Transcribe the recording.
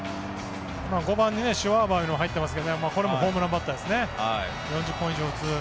５番にシュワバーが入ってますがこれもホームランバッターですね４０本以上打つ。